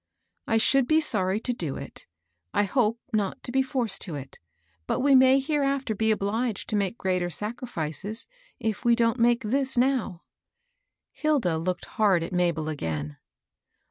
I should be sorry to do it. I hoped not to be forced to it ; but we may Mabel's new employer. 106 hereafter be obliged to make greater sacrifices if we don't make this now." Hilda looked hard at Mabel again.